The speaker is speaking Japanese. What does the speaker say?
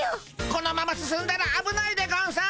このまま進んだらあぶないでゴンス。